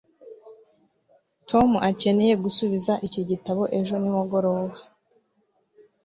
tom akeneye gusubiza iki gitabo ejo nimugoroba